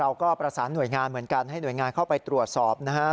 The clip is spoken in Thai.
เราก็ประสานหน่วยงานเหมือนกันให้หน่วยงานเข้าไปตรวจสอบนะครับ